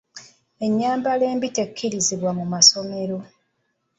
Ennyambala embi tekkirizibwa mu masomero.